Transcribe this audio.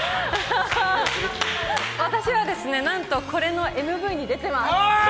私は何と、これのＭＶに出てます。